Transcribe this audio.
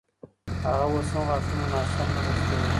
هغه اوس هم غاښونه ناسم نه برس کوي.